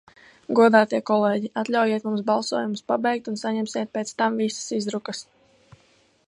Godātie kolēģi, atļaujiet mums balsojumus pabeigt un saņemsiet pēc tam visas izdrukas.